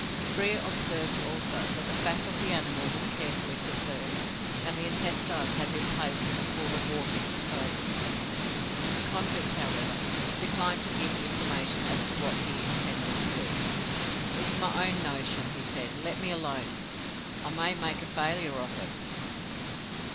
Frere observed, also, that the fat of the animal was carefully preserved, and the intestines had been placed in a pool of water to soak. The convict, however, declined to give information as to what he intended to do. "It's my own notion," he said. "Let me alone. I may make a failure of it."